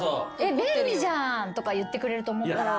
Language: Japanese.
「便利じゃん！」とか言ってくれると思ったら。